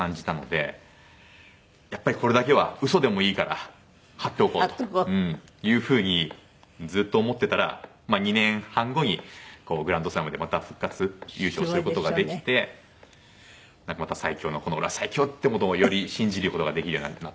やっぱりこれだけは嘘でもいいから貼っておこうという風にずっと思ってたら２年半後にグランドスラムでまた復活優勝する事ができてなんかまた最強の「オレは最強！」っていう事をより信じる事ができるようになった。